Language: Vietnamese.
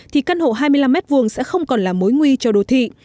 thì căn hộ hai mươi năm m hai sẽ không còn là mối nguy cho đô thị